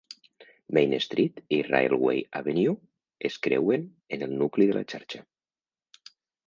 Main Street i Railway Avenue es creuen en el nucli de la xarxa.